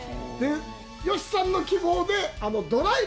吉さんの希望でドライブ。